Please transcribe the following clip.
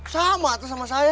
sama teteh sama saya